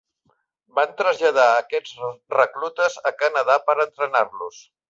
Van traslladar aquests reclutes a Canadà per entrenar-los.